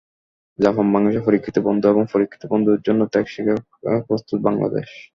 Japan বাংলাদেশের পরীক্ষিত বন্ধু এবং পরীক্ষিত বন্ধুর জন্য ত্যাগ স্বীকারে প্রস্তুত বাংলাদেশ।